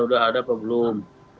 udah ada apa belum